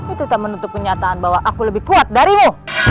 itu tak menutup penyataan bahwa aku lebih kuat darimu